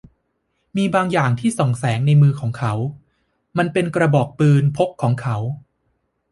มีบางอย่างที่ส่องแสงในมือของเขา มันเป็นกระบอกปืนพกของเขา